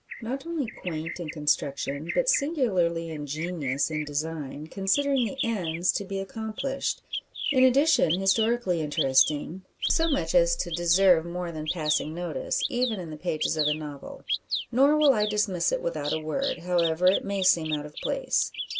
Not only quaint in construction, but singularly ingenious in design, considering the ends to be accomplished. In addition, historically interesting; so much as to deserve more than passing notice, even in the pages of a novel. Nor will I dismiss it without a word, however it may seem out of place.